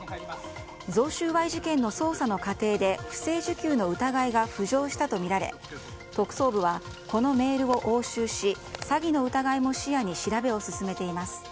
贈収賄事件の捜査の過程で不正受給の疑いが浮上したとみられ特捜部はこのメールを押収し詐欺の疑いも視野に調べを進めています。